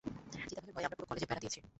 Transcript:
চিতাবাঘের ভয়ে আমরা পুরো কলেজে বেড়া দিয়েছি।